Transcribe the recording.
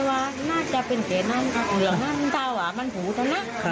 เมวะน่าจะเป็นเผ็ดนั้นกับเหลืองนั้นแต่ว่ามันผูดแล้วนะครับ